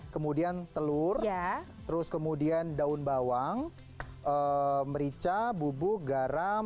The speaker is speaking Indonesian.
kemudian telur terus kemudian daun bawang merica bubuk garam